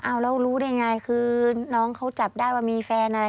เอาแล้วรู้ได้ไงคือน้องเขาจับได้ว่ามีแฟนอะไร